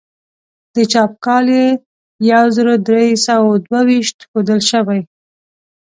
د چاپ کال یې یو زر درې سوه دوه ویشت ښودل شوی.